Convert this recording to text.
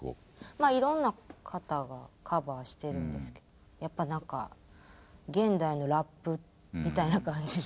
まいろんな方がカバーしてるんですけどやっぱ何か現代のラップみたいな感じで。